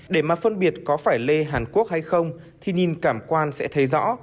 để mà phân biệt có phải lê hàn quốc hay không thì nhìn cảm quan sẽ thấy rõ